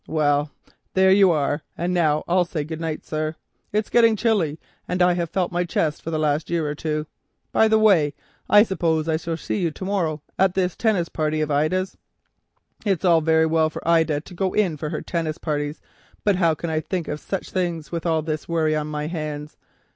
Well, there you are, and now I'll say good night, sir. It's getting chilly, and I have felt my chest for the last year or two. By the way, I suppose I shall see you to morrow at this tennis party of Ida's. It's all very well for Ida to go in for her tennis parties, but how can I think of such things with all this worry on my hands?